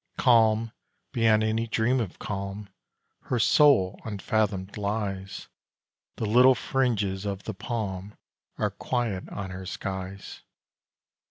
Calm, beyond any dream of calm, Her soul unfathomed lies; The little fringes of the palm Are quiet on her skies.